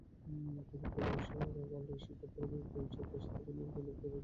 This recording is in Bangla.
তিনি পরেশ রাওয়াল, ঋষি কাপুর এবং প্রেম চোপড়ার সাথে অভিনয়ের মাধ্যমে বলিউডে পা রাখেন।